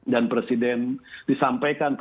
dan presiden disampaikan